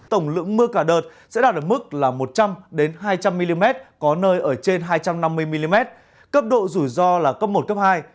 tổng lượng mưa cả đợt sẽ đạt được mức là một trăm linh hai trăm linh mm có nơi ở trên hai trăm năm mươi mm cấp độ rủi ro là cấp một cấp hai